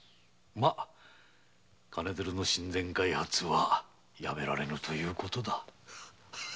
金づるの「新田開発」はやめられぬという事だ。